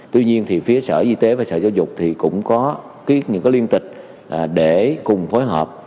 tuy nhiên thì phía sở y tế và sở giáo dục thì cũng có những liên tịch để cùng phối hợp